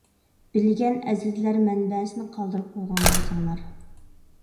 بىلگەن ئەزىزلەر مەنبەسىنى قالدۇرۇپ قويغان بولساڭلار.